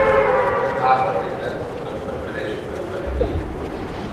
Ah perfecte, doncs prefereixo fer-ho per aquí.